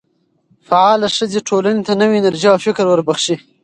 فعاله ښځې ټولنې ته نوې انرژي او فکر وربخښي.